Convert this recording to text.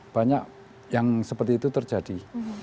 banyak yang seperti itu terjadi